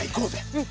うん。